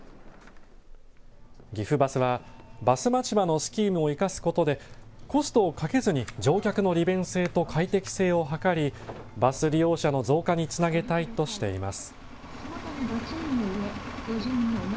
岐阜バスはバスまちばのスキームを生かすことでコストをかけずに乗客の利便性と快適性を図りバス利用者の増加につなげたいとしています。